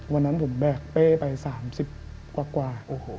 วันนั้นผมแบกเป้ไป๓๐กว่าโอ้โห